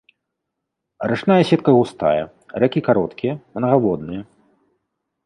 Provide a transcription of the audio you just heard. Рачная сетка густая, рэкі кароткія, мнагаводныя.